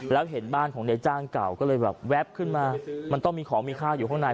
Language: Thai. แล้วเห็นบ้านของนายจ้างเก่าก็เลยแบบแว๊บขึ้นมามันต้องมีของมีค่าอยู่ข้างใน